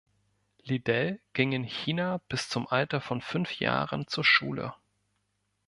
Liddell ging in China bis zum Alter von fünf Jahren zur Schule.